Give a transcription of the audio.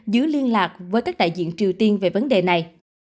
giữ liên lạc với các đại diện triều tiên về vấn đề này